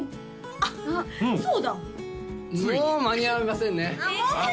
あっそうだもう間に合いませんねあっ